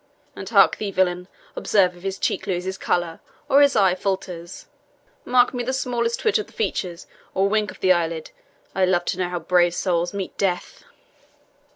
And hark thee, villain, observe if his cheek loses colour, or his eye falters; mark me the smallest twitch of the features, or wink of the eyelid. I love to know how brave souls meet death."